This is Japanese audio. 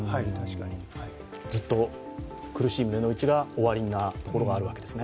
ずっと苦しい胸のうちがおありなところがあるわけですね。